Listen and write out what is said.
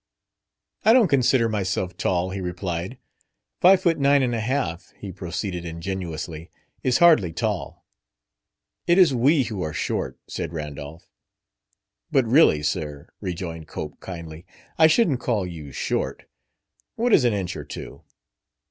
"I don't consider myself tall," he replied. "Five foot nine and a half," he proceeded ingenuously, "is hardly tall." "It is we who are short," said Randolph. "But really, sir," rejoined Cope kindly, "I shouldn't call you short. What is an inch or two?"